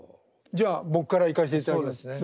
じゃあ僕からいかしていただきます。